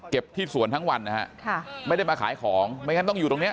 ที่สวนทั้งวันนะฮะค่ะไม่ได้มาขายของไม่งั้นต้องอยู่ตรงเนี้ย